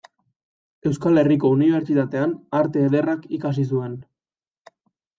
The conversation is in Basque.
Euskal Herriko Unibertsitatean Arte Ederrak ikasi zuen.